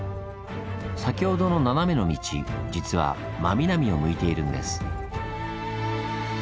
先ほどの斜めの道実は真南を向いているんです。